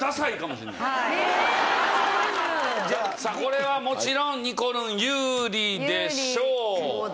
さあこれはもちろんにこるん有利でしょう。